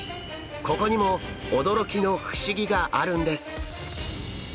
ここにも驚きの不思議があるんです。